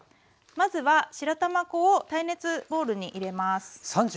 まずは白玉粉を耐熱ボウルに入れます。